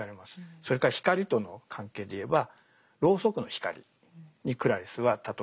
それから光との関係でいえばろうそくの光にクラリスは例えられています。